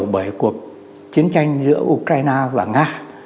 bởi cuộc chiến tranh giữa ukraine và nga